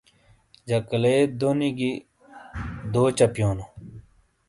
جَکَلے دونی گی دو چَپیونو۔